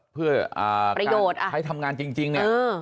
เพื่ออ่าประโยชน์อ่ะใช้ทำงานจริงจริงเนี้ยอืม